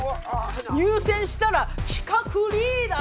入選したら企画リーダー！？